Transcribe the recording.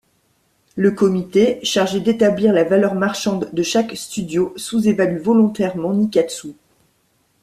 Le comité, chargé d'établir la valeur marchande de chaque studio, sous-évalue volontairement Nikkatsu.